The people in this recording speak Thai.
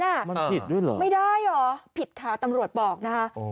มันผิดด้วยเหรอไม่ได้เหรอผิดค่ะตำรวจบอกนะคะ